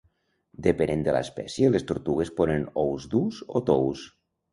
Depenent de l'espècie, les tortugues ponen ous durs o tous.